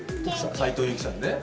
斉藤由貴さんね。